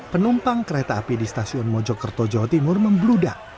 penumpang kereta api di stasiun mojokerto jodoh timur membeludak